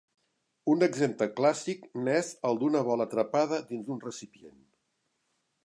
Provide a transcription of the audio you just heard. Un exemple clàssic n'és el d'una bola atrapada dins un recipient.